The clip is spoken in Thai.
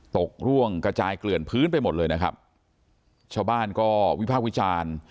กร่วงกระจายเกลื่อนพื้นไปหมดเลยนะครับชาวบ้านก็วิพากษ์วิจารณ์